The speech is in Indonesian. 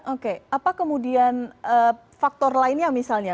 oke apa kemudian faktor lainnya misalnya